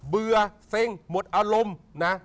เบื่อเซ็งหมดอารมณ์นะ